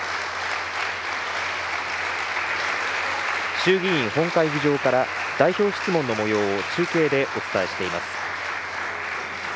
衆議院本会議場から代表質問のもようを中継でお伝えしています。